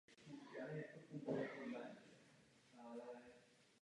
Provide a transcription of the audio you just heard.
Pogrom zastavil až příchod vojska z Kroměříže.